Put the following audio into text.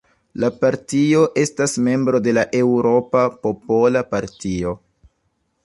La partio estas membro de la Eŭropa Popola Partio.